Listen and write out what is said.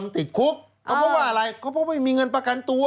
ติดสิคะเขาไม่มีเงินประกันตัว